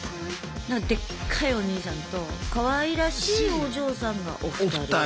でっかいお兄さんとかわいらしいお嬢さんがお二人。